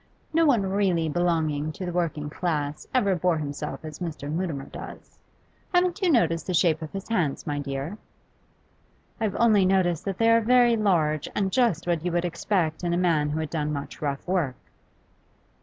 No one really belonging to the working class ever bore himself as Mr. Mutimer does. Haven't you noticed the shape of his hands, my dear?' 'I've only noticed that they are very large, and just what you would expect in a man who had done much rough work.